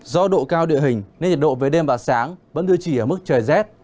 do độ cao địa hình nên nhiệt độ về đêm và sáng vẫn đưa chỉ ở mức trời rét